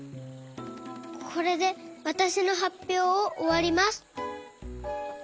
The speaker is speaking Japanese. これでわたしのはっぴょうをおわります。